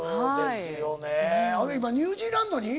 ほいで今ニュージーランドに？